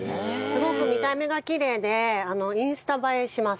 すごく見た目がきれいでインスタ映えします。